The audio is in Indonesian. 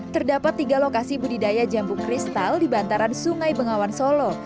terdapat tiga lokasi budidaya jambu kristal di bantaran sungai bengawan solo